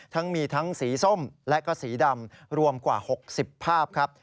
ทั้งมีทั้งสีส้มและก็สีดำรวมกว่า๖๐ภาพครับ